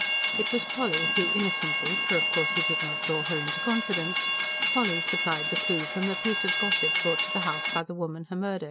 It was Polly who innocently for of course he did not draw her into confidence Polly supplied the clue from a piece of gossip brought to the house by the woman Hemmerde.